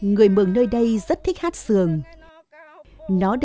người mường nơi đây rất thích hát sườn